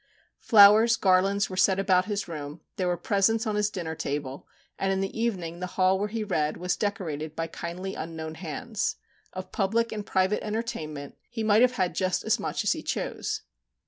Flowers, garlands were set about his room; there were presents on his dinner table, and in the evening the hall where he read was decorated by kindly unknown hands. Of public and private entertainment he might have had just as much as he chose.